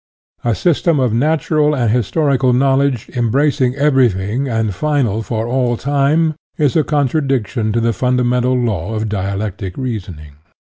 A system of natural and historical knowledge, embracing everything, and final for all time, is a contradiction to the funda mental law of dialectic reasoning.